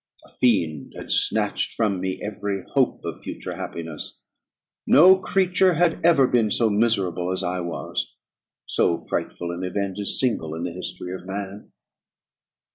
A fiend had snatched from me every hope of future happiness: no creature had ever been so miserable as I was; so frightful an event is single in the history of man.